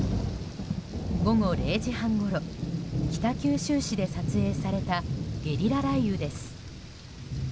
午後０時半ごろ北九州市で撮影されたゲリラ雷雨です。